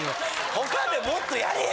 他でもっとやれや。